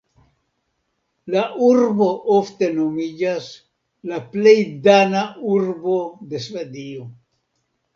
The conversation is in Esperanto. La urbo ofte nomiĝas "la plej dana urbo de Svedio".